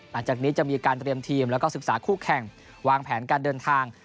หลังจากนี้จะมีการเตรียมทีมแล้วก็ศึกษาคู่แข่งวางแผนการเดินทาง